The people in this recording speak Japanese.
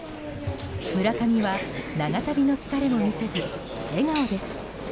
村上は長旅の疲れも見せず笑顔です。